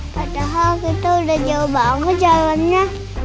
padahal kita udah jauh banget jalannya